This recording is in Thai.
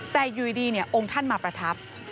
แต่อยู่ดีองค์ท่านมาประทับ